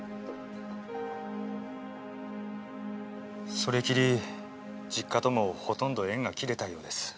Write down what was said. それきり実家ともほとんど縁が切れたようです。